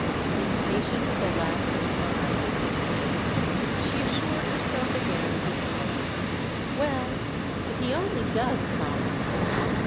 Impatient of the lapse of time, in any case, she assured herself again of the hour. "Well, if he only does come!"